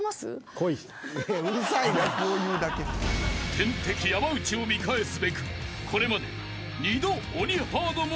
［天敵山内を見返すべくこれまで］